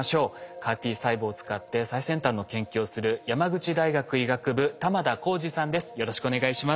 ＣＡＲ−Ｔ細胞を使って最先端の研究をする山口大学医学部玉田耕治さんです。